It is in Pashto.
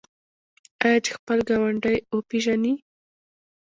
آیا چې خپل ګاونډی وپیژني؟